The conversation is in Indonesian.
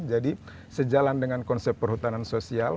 jadi sejalan dengan konsep perhutanan sosial